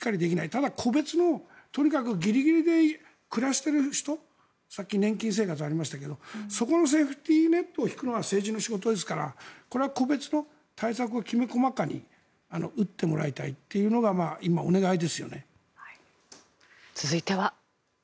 ただ、個別のとにかくギリギリで暮らしてる人さっき年金生活とありましたがそこのセーフティーネットを引くのは政府の仕事ですからこれは個別の対策を、きめ細かに打ってもらいたいというのが続いては。